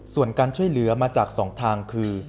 ส่วนการช่วยเหลือมาจาก๒ทางคือ